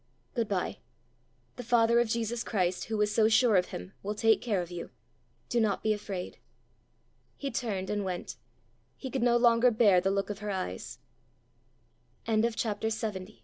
Good bye. The father of Jesus Christ, who was so sure of him, will take care of you: do not be afraid." He turned and went; he could no longer bear the look of her eyes. CHAPTER LXXI. GLASHGAR. Out of Arctu